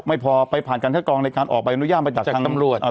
ไม่พอไปผ่านการคัดกรองในการออกใบอนุญาตไปจากทางตำรวจ